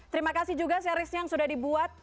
terima kasih juga seriesnya yang sudah dibuat